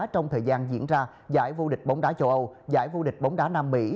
trong thời gian diễn ra giải vô địch bóng đá châu âu giải vô địch bóng đá nam mỹ